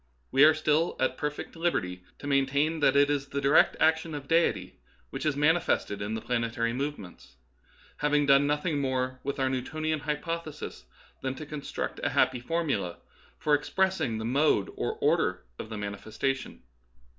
We are still at perfect liberty to main tain that it is the direct action of Deity which is manifested in the planetary movements ; having done nothing more with our Newtonian hypoth esis than to construct a happy formula for ex pressing the mode or order of the manifestation.